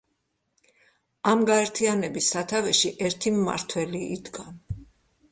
ამ გაერთიანების სათავეში ერთი მმართველი იდგა.